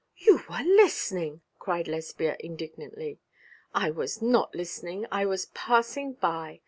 'You were listening' cried Lesbia indignantly. 'I was not listening! I was passing by.